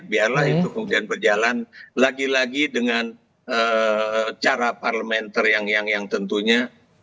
biarlah itu kemudian berjalan lagi lagi dengan cara parlementer yang tentunya